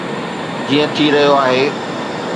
جيئن ٿي رهيو آهي.